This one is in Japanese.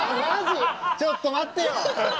ちょっと待ってよ！